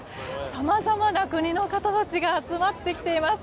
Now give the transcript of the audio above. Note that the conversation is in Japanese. さまざまな国の方たちが集まってきています。